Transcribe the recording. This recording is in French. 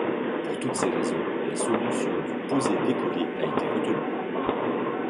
Pour toutes ces raisons, la solution du posé-décollé a été retenue.